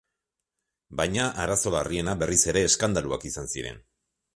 Baina, arazo larriena, berriz ere, eskandaluak izan ziren.